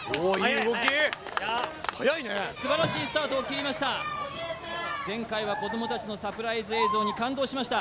素晴らしいスタートを切りました前回は子供達のサプライズ映像に感動しました